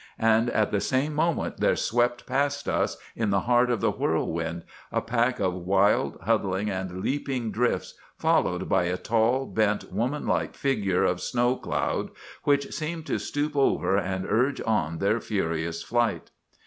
"And at the same moment there swept past us, in the heart of the whirlwind, a pack of wild, huddling, and leaping drifts, followed by a tall, bent, woman like figure of snow cloud, which seemed to stoop over and urge on their furious flight.